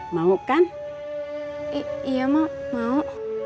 mau kan iya mau mau